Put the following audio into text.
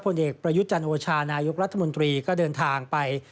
ผลเอกประยุทธ์จันโอชานายกรัฐมนตรีก็เดินทางไป